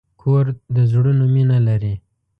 کور د زړونو مینه لري.